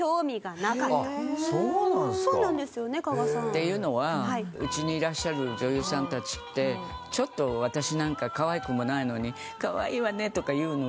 っていうのはうちにいらっしゃる女優さんたちってちょっと私なんかかわいくもないのに「かわいいわね」とか言うの。